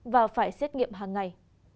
và phải xét nghiệm hằng ngày